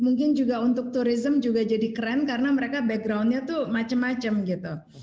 mungkin juga untuk turism juga jadi keren karena mereka backgroundnya tuh macem macem gitu